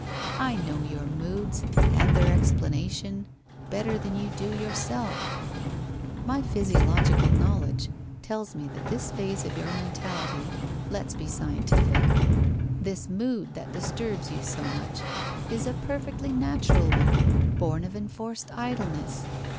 I know your moods, and their explana tion, better than you do yourself. My physiological knowl edge tells me that this phase of your mentality — let's be scientific! — this mood that disturbs you so much, is a perfectly natural one, born of enforced idleness.